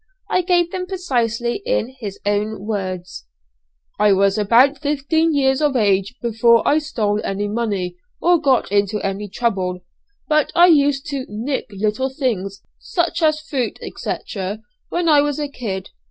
I give them precisely in his own words: "I was about fifteen years of age before I stole any money, or got into any trouble; but I used to 'nick' little things, such as fruit, &c., when I was a kid.